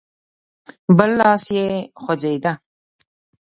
بل لاس يې خوځېده.